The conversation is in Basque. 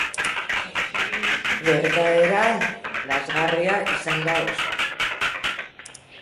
Gertaera lazgarria izan da oso.